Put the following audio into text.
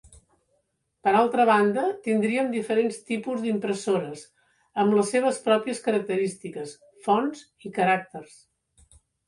Per altra banda tindríem diferents tipus d'impressores amb les seves pròpies característiques, fonts i caràcters.